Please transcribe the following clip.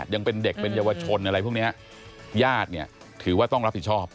ยังเป็นเด็กเป็นเยาวชนอะไรพวกเนี้ยญาติเนี่ยถือว่าต้องรับผิดชอบ